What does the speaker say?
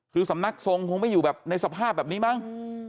คือสำนักทรงคงไม่อยู่แบบในสภาพแบบนี้มั้ง